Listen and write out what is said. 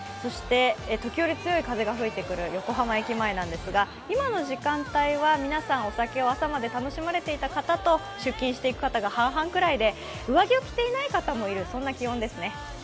時折、強い風が吹いてくる横浜駅前なんですが、今の時間帯は皆さん、お酒を朝まで楽しまれていた方と出勤していく方が半々ぐらいで上着を着ていない方もいるそんな気温ですね。